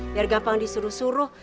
biar gampang disuruh suruh